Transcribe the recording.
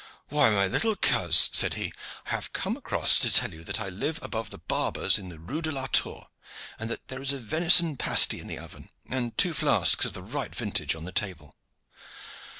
"Why, my little coz," said he, "I have come across to tell you that I live above the barber's in the Rue de la Tour, and that there is a venison pasty in the oven and two flasks of the right vintage on the table.